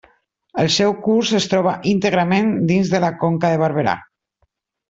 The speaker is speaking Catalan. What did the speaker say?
El seu curs es troba íntegrament dins la Conca de Barberà.